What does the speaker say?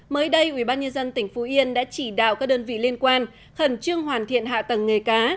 mới đây ubnd tỉnh phú yên đã chỉ đạo các đơn vị liên quan khẩn trương hoàn thiện hạ tầng nghề cá